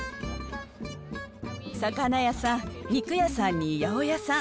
魚屋さん、肉やさんに八百屋さん。